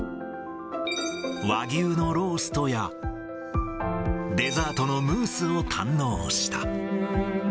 和牛のローストや、デザートのムースを堪能した。